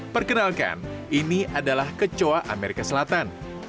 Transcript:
perkenalkan ini adalah kecoa amerika selatan